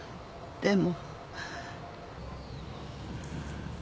でも。